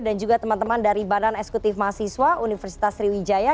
dan juga teman teman dari badan eksekutif mahasiswa universitas sriwijaya